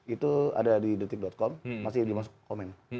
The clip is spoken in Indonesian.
itu ada di detik com masih dimasuk komen